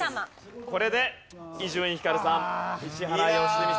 これで伊集院光さん石原良純さんは終了です。